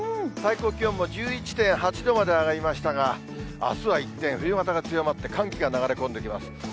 最高気温も１１．８度まで上がりましたが、あすは一転、冬型が強まって、寒気が流れ込んできます。